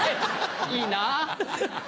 いいなぁ。